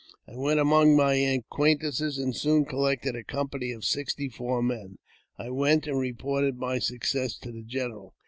I went among my acquaintance ^ and soon collected a company of sixty four men. I went and reported my success to the general.